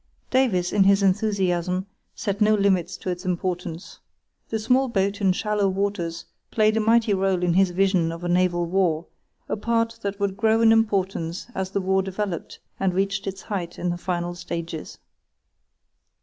Davies in his enthusiasm set no limits to its importance. The small boat in shallow waters played a mighty rôle in his vision of a naval war, a part that would grow in importance as the war developed and reach its height in the final stages.